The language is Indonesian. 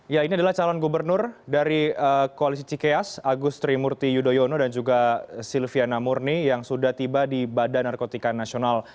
ya ini adalah calon gubernur dari koalisi cikeas agus trimurti yudhoyono dan juga silviana murni yang sudah tiba di badan narkotika nasional